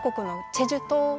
チェジュ島